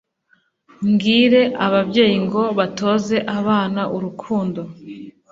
Mbwire ababyeyi ngo batoze abana urukundo,